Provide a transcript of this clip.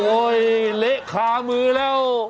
โอ๊ยเละคลามือแล้ว